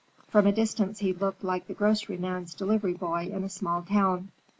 From a distance he looked like the groceryman's delivery boy in a small town.